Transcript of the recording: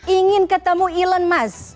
ingin ketemu elon musk